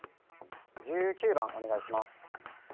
１９番お願いします